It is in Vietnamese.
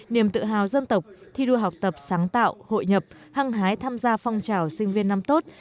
niềm tự hào dân tộc thi đua học tập sáng tạo hội nhập hăng hái tham gia phong trào sinh viên năm tốt